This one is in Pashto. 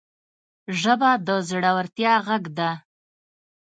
ژبه د زړورتیا غږ ده